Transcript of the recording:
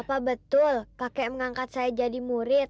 apa betul kakek mengangkat saya jadi murid